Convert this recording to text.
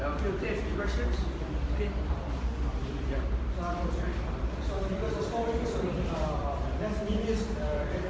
อีโรมิชาเฟอร์ริมเอฟอร์เซลลิมอีกส่วน